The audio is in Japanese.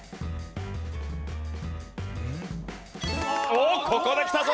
おっここできたぞ！